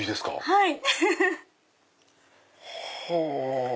はい。